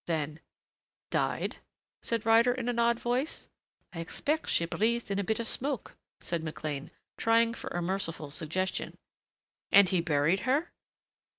Then, "Died?" said Ryder in an odd voice. "I expect she breathed in a bit of smoke," said McLean, trying for a merciful suggestion. "And he buried her